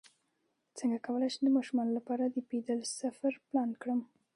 څنګه کولی شم د ماشومانو لپاره د پیدل سفر پلان کړم